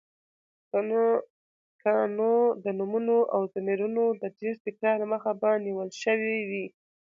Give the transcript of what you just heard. که نو د نومونو او ضميرونو د ډېر تکرار مخه به نيول شوې وې.